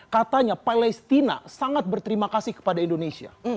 katanya palestina sangat berterima kasih kepada indonesia